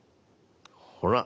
ほら！